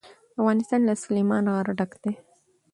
افغانستان له سلیمان غر ډک دی.